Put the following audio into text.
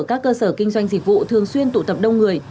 các cơ sở kinh doanh dịch vụ thường xuyên tụ tập đông người